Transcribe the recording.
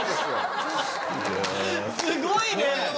すごいね！